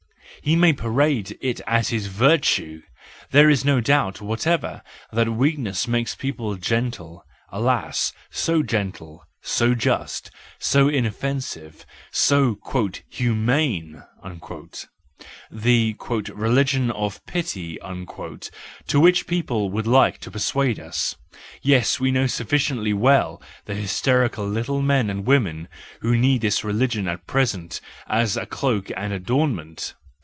He may parade it as his virtue; there is no doubt whatever that weakness makes people gentle, alas, so gentle, so just, so inoffensive, so "humane"!— The " religion of pity," to which people would like to persuade us—yes, we know sufficiently well the hysterical little men and women who need this religion at present as a cloak and adornment!